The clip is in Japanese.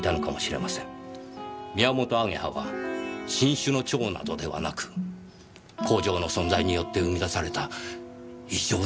ミヤモトアゲハは新種の蝶などではなく工場の存在によって生み出された異常な個体なのではないかと。